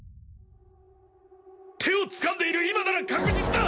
手をつかんでいる今なら確実だ！